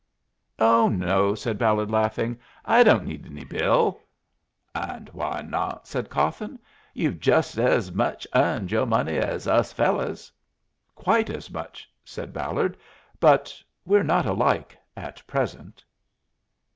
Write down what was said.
"Oh no," said Ballard, laughing. "I don't need any bill." "And why not?" said Cawthon. "You've jist ez much earned yoh money ez us fellers." "Quite as much," said Ballard. "But we're not alike at present."